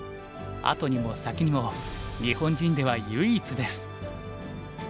後にも先にも日本人では唯一です。